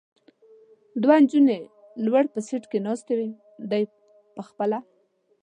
دوه نجونې لوړ په سېټ کې ناستې وې، دی خپله.